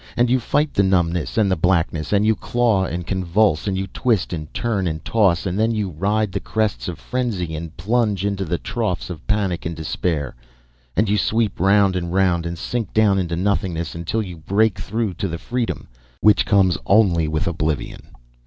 And you fight the numbness and the blackness and you claw and convulse and you twist and turn and toss and then you ride the crests of frenzy and plunge into the troughs of panic and despair and you sweep round and round and sink down into nothingness until you break through to the freedom which comes only with oblivion.